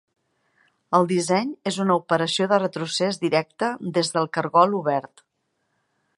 El disseny és una operació de retrocés directe des del cargol obert.